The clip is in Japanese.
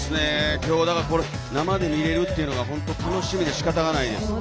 今日、だから生で見られるのが本当に楽しみでしかたがないです。